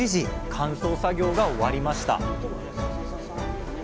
乾燥作業が終わりました